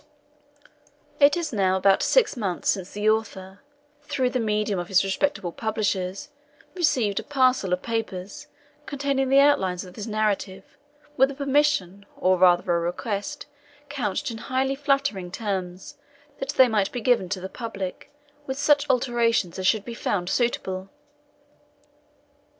It is now about six months since the Author, through the medium of his respectable Publishers, received a parcel of Papers, containing the Outlines of this narrative, with a permission, or rather with a request, couched in highly flattering terms, that they might be given to the Public, with such alterations as should be found suitable.